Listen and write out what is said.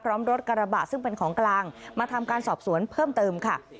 รถกระบะซึ่งเป็นของกลางมาทำการสอบสวนเพิ่มเติมค่ะ